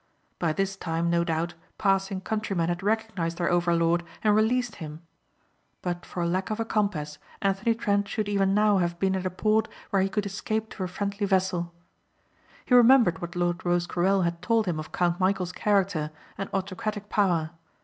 By this time no doubt passing countrymen had recognized their overlord and released him. But for lack of a compass Anthony Trent should even now have been at a port where he could escape to a friendly vessel. He remembered what Lord Rosecarrel had told him of Count Michæl's character and autocratic power.